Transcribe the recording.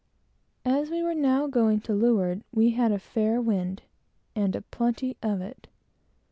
As we were now going to leeward, we had a fair wind and a plenty of it.